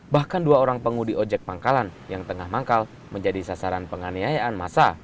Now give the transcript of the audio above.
bahkan dua orang pengudi ojek pangkalan yang tengah manggal menjadi sasaran penganiayaan masa